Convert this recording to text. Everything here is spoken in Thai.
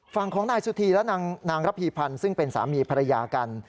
ฝั่งของนายสุธีและนางระพีพันธ์ซึ่งเป็นสามีภรรยากัน